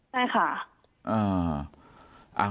ใช่ค่ะ